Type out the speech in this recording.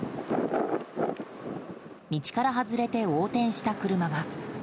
道から外れて横転した車が。